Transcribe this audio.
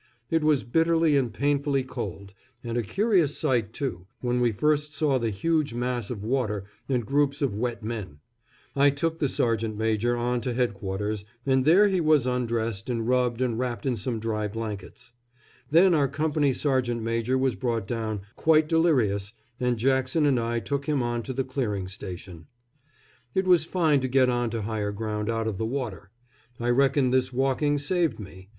It was bitterly and painfully cold, and a curious sight too, when we first saw the huge mass of water and groups of wet men. I took the S. M. on to headquarters, and there he was undressed and rubbed and wrapped in some dry blankets. Then our company sergeant major was brought down, quite delirious, and Jackson and I took him on to the clearing station. It was fine to get on to higher ground out of the water. I reckon this walking saved me.